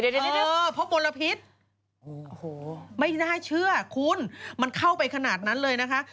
เดี๋ยวพบมลพิษโอ้โหไม่น่าเชื่อคุณมันเข้าไปขนาดนั้นเลยนะคะ